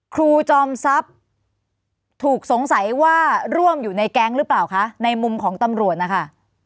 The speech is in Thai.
ครูจอมทรัพย์ถูกสงสัยว่าร่วมอยู่ในแก๊งหรือเปล่าคะในมุมของตำรวจนะคะ